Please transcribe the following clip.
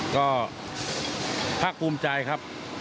ก็พักภูมิใจนะครับ